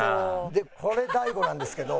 でこれ大悟なんですけど。